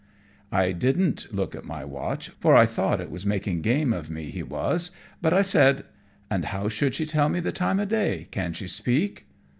I didn't look at my watch, for I thought it was making game of me he was, but I said, "And how should she tell me the time of day? Can she speak?"